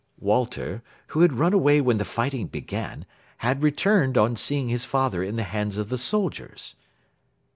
Walter, who had run away when the fighting began, had returned on seeing his father in the hands of the soldiers.